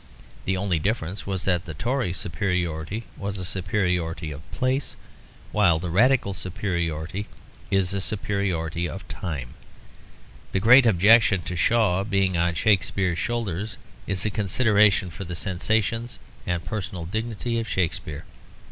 The only difference was that the Tory superiority was a superiority of place; while the Radical superiority is a superiority of time. The great objection to Shaw being on Shakespeare's shoulders is a consideration for the sensations and personal dignity of Shakespeare.